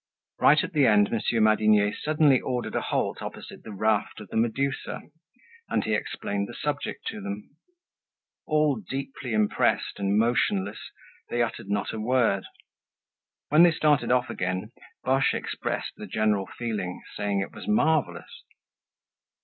Right at the end, Monsieur Madinier suddenly ordered a halt opposite the "Raft of the Medusa" and he explained the subject to them. All deeply impressed and motionless, they uttered not a word. When they started off again, Boche expressed the general feeling, saying it was marvellous.